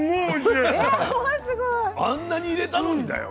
あんなに入れたのにだよ。